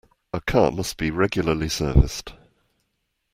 A car must be regularly serviced.